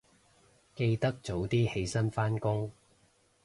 記得早啲起身返工